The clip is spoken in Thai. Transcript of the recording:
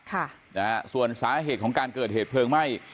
ค่ะนะฮะส่วนสาเหตุของการเกิดเหตุเพลิงไหม้